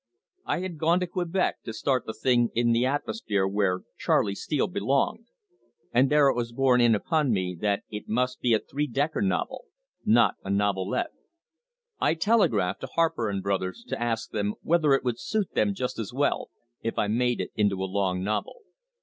I had gone to Quebec to start the thing in the atmosphere where Charley Steele belonged, and there it was borne in upon me that it must be a three decker novel, not a novelette. I telegraphed to Harper & Brothers to ask them whether it would suit them just as well if I made it into a long novel.